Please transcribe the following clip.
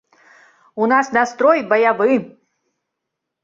У нас настрой баявы.